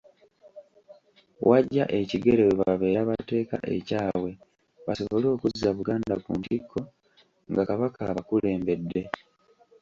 W'aggya ekigere we babeera bateeka ekyabwe basobole okuzza Buganda ku ntikko nga Kabaka abakulembedde.